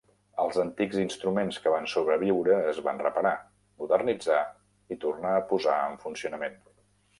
Els antics instruments que van sobreviure es van reparar, modernitzar i tornar a posar en funcionament.